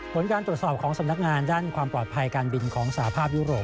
ผลการตรวจสอบของสำนักงานด้านความปลอดภัยการบินของสหภาพยุโรป